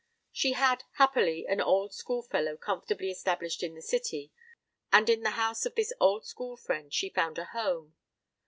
She had, happily, an old school fellow comfortably established in the city; and in the house of this old friend she found a home.